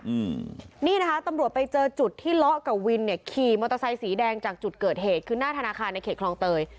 อืมนี่นะคะตำรวจไปเจอจุดที่เลาะกับวินเนี่ยขี่มอเตอร์ไซสีแดงจากจุดเกิดเหตุคือหน้าธนาคารในเขตคลองเตย